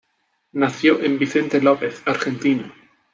Nació en Vicente López, Argentina.